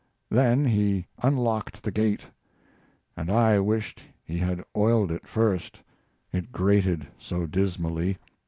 Then he unlocked the gate; and I wished he had oiled it first, it grated so dismally.